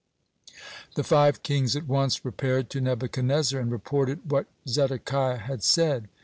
The five kings at once repaired to Nebuchadnezzar, and reported what Zedekiah had said.